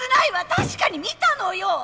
確かに見たのよ！